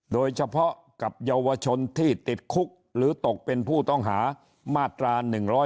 โดยเฉพาะกับเยาวชนที่ติดคุกหรือตกเป็นผู้ต้องหามาตรา๑๑๒